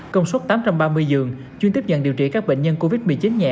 công suất tám trăm ba mươi giường chuyên tiếp nhận điều trị các bệnh nhân covid một mươi chín nhẹ